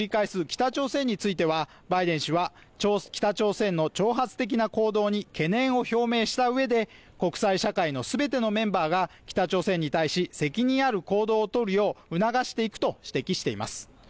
北朝鮮についてはバイデン氏は、北朝鮮の挑発的な行動に懸念を表明したうえで国際社会の全てのメンバーが北朝鮮に対し、責任ある行動を取るよう促していくと指摘しています。